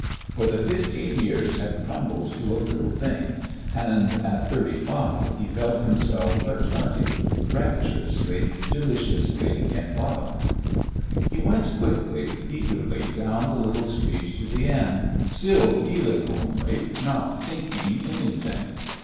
For the fifteen years had crumbled to a little thing, and at thirty five he felt himself but twenty, rapturously, deliciously in love. He went quickly, eagerly down the little street to the inn, still feeling only, not thinking anything.